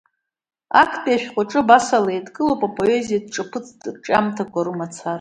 Актәи ашәҟәаҿы, абасала, еидкылоуп апоезиатә ҿаԥыцтә рҿиамҭақәа рымацара.